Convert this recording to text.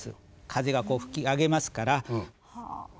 風がこう吹き上げますから。